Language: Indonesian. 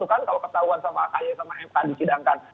kalau ketahuan sama kaye sama mhk disidangkan